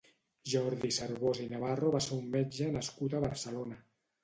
Jordi Cervós i Navarro va ser un metge nascut a Barcelona.